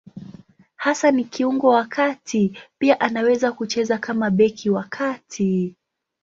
Hasa ni kiungo wa kati; pia anaweza kucheza kama beki wa kati.